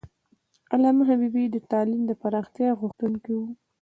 علامه حبیبي د تعلیم د پراختیا غوښتونکی و.